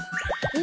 え！